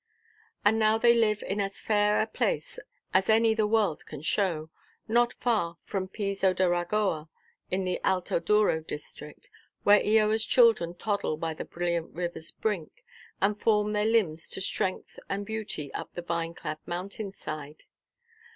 And now they live in as fair a place as any the world can show, not far from Pezo da Ragoa, in the Alto Douro district. There Eoaʼs children toddle by the brilliant riverʼs brink, and form their limbs to strength and beauty up the vine–clad mountainʼs side.